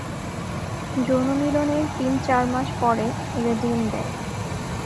যৌন মিলনের তিন-চার মাস পরে এরা ডিম দেয়।